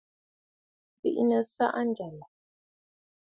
Bìʼinə̀ saʼa njyàlàʼà.